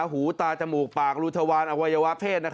หูตาจมูกปากรูทวานอวัยวะเพศ